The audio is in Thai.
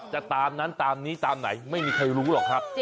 จะตามนั้นตามนี้ตามไหนไม่มีใครรู้หรอกครับ